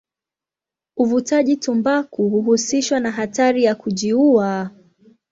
Uvutaji tumbaku huhusishwa na hatari ya kujiua.